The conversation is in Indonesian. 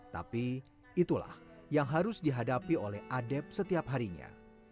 tapi itulah yang harus dihadapi oleh adep setiap harinya